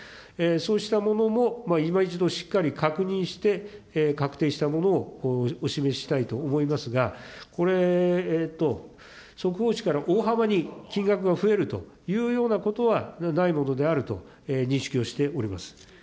そうしたものもいま一度しっかり確認して、確定したものをお示ししたいと思いますが、これ、速報値から大幅に金額が増えるというようなことはないものであると認識をしております。